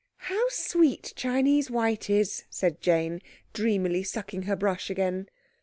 "How sweet Chinese white is!" said Jane, dreamily sucking her brush again.